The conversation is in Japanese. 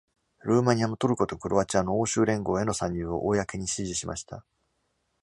ルーマニアもトルコとクロアチアの欧州連合への参入を公に支持しました。